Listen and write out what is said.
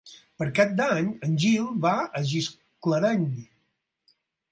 Per Cap d'Any en Gil va a Gisclareny.